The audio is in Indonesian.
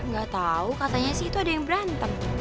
gak tau katanya sih itu ada yang berantem